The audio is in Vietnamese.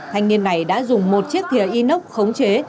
thanh niên này đã dùng một chiếc thia inox khống chế